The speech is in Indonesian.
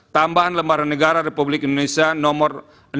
tambahan lembaran negara republik indonesia nomor enam ribu lima ratus lima puluh empat